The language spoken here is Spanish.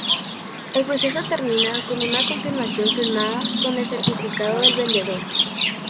El proceso termina con una confirmación firmada con el certificado del vendedor.